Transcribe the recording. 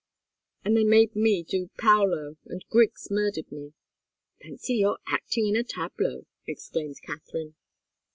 "And they made me do Paolo, and Griggs murdered me " "Fancy your acting in a tableau!" exclaimed Katharine.